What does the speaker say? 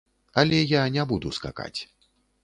Але я не буду скакаць.